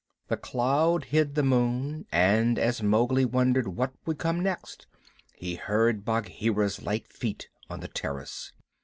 The cloud hid the moon, and as Mowgli wondered what would come next he heard Bagheera's light feet on the terrace.